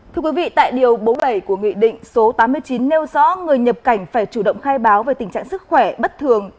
thưa quý vị tại điều bốn mươi bảy của nghị định số tám mươi chín nêu rõ người nhập cảnh phải chủ động khai báo về tình trạng sức khỏe bất thường